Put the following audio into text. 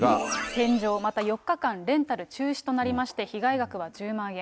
洗浄、また４日間レンタル中止となりまして、被害額は１０万円。